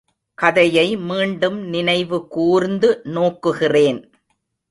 கதையை மீண்டும் நினைவு கூர்ந்து நோக்குகிறேன்.